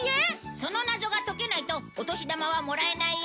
その謎が解けないとお年玉はもらえないよ